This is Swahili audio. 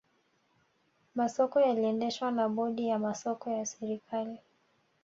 masoko yaliendeshwa na bodi ya masoko ya serikali